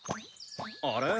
あれ？